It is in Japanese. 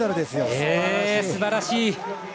すばらしい。